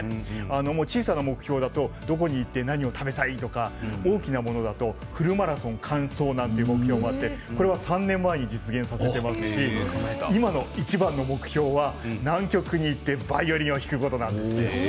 小さな目標だとどこに行って何を食べたいとか大きなものだとフルマラソン完走なんて目標もあって、これは３年前に実現させていますし今の一番の目標は南極に行ってバイオリンを弾くことなんです。